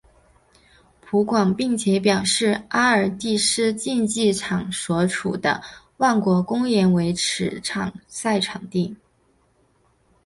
葡广并且表示阿尔蒂斯竞技场所处的万国公园为比赛场地。